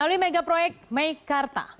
alami mega proyek may karta